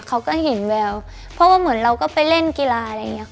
เขาก็เห็นแววเพราะว่าเหมือนเราก็ไปเล่นกีฬาอะไรอย่างเงี้